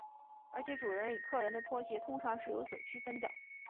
而且主人与客人的拖鞋通常是有所区分的。